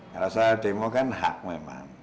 kalau saya demo kan hak memang